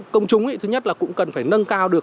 công chúng thứ nhất là cũng cần phải nâng cao được